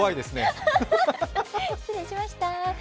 失礼しました。